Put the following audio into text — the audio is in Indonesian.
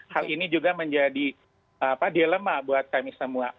hal ini juga menjadi dilema buat kami semua